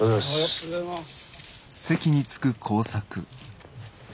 おはようございます。